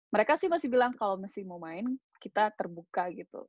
mereka sih masih bilang kalau masih mau main kita terbuka gitu